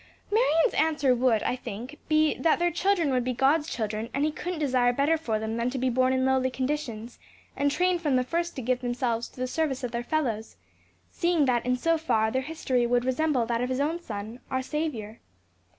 "Marion's answer would, I think, be, that their children would be God's children; and he couldn't desire better for them than to be born in lowly conditions, and trained from the first to give themselves to the service of their fellows, seeing that in so far their history would resemble that of his own Son, our Saviour.